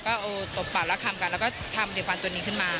ก็ตบปากแล้วคำกันแล้วก็ทำเด็กฟันตัวนี้ขึ้นมา